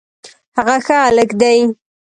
هغه ښه هلک دی